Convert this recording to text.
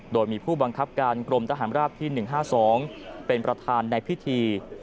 โดยมีผู้บังคับการกรมทหารราบที่๑๕๒เป็นประธานในพิธี